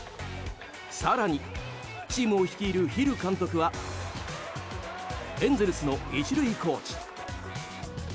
更に、チームを率いるヒル監督はエンゼルスの１塁コーチ。